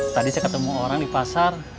tadi saya ketemu orang di pasar